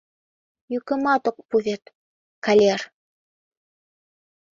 Йӱкымат от пу вет, калер!